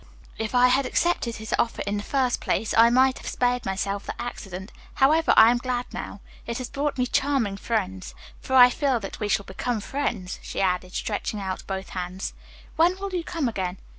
If I had accepted his offer in the first place, I might have spared myself this accident. However, I am glad, now. It has brought me charming friends. For I feel that we shall become friends," she added, stretching out both hands. "When will you come again?"